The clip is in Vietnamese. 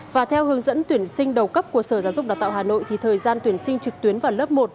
và theo hướng dẫn tuyển sinh đầu cấp của sở giáo dục đào tạo hà nội thì thời gian tuyển sinh trực tuyến vào lớp một